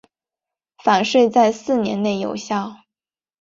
返税在四年内有效。